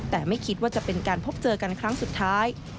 แต่ไม่คิดว่าจะเป็นการพบเจอกันครั้งสุดท้าย